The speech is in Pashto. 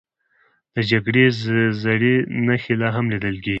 د جګړې زړې نښې لا هم لیدل کېږي.